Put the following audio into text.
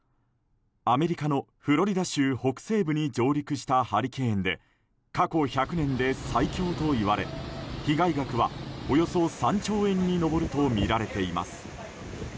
アメリカのフロリダ州北西部に上陸したハリケーンで過去１００年で最強といわれ被害額はおよそ３兆円に上るとみられています。